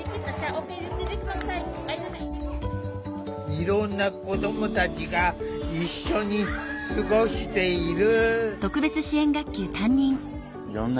いろんな子どもたちが一緒に過ごしている。